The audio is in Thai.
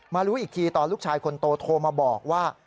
รู้อีกทีตอนลูกชายคนโตโทรมาบอกว่า